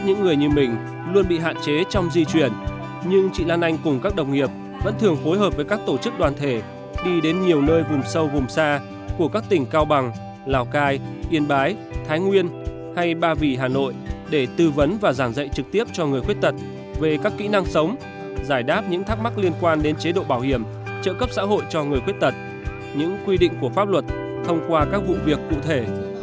những người như mình luôn bị hạn chế trong di chuyển nhưng chị lan anh cùng các đồng nghiệp vẫn thường phối hợp với các tổ chức đoàn thể đi đến nhiều nơi vùng sâu vùng xa của các tỉnh cao bằng lào cai yên bái thái nguyên hay ba vì hà nội để tư vấn và giảng dạy trực tiếp cho người khuyết tật về các kỹ năng sống giải đáp những thắc mắc liên quan đến chế độ bảo hiểm trợ cấp xã hội cho người khuyết tật những quy định của pháp luật thông qua các vụ việc cụ thể